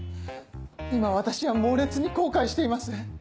今私は猛烈に後悔しています。